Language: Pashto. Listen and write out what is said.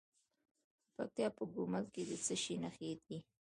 د پکتیکا په ګومل کې د څه شي نښې دي؟